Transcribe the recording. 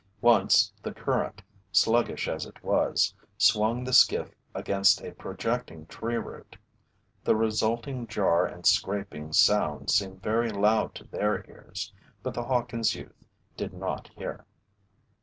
Once the current, sluggish as it was, swung the skiff against a projecting tree root. The resulting jar and scraping sound seemed very loud to their ears. But the Hawkins youth did not hear.